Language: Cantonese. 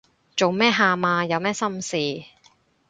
做咩喊啊？有咩心事